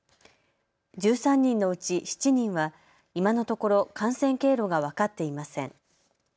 １３人のうち７人は今のところ感染経路が分かっていません。